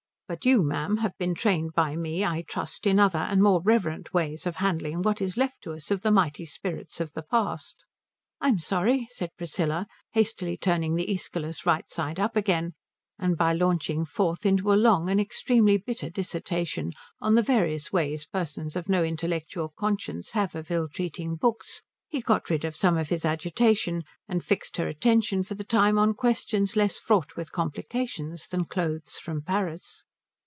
But you, ma'am, have been trained by me I trust in other and more reverent ways of handling what is left to us of the mighty spirits of the past." "I'm sorry," said Priscilla, hastily turning the Æschylus right side up again; and by launching forth into a long and extremely bitter dissertation on the various ways persons of no intellectual conscience have of ill treating books, he got rid of some of his agitation and fixed her attention for the time on questions less fraught with complications than clothes from Paris.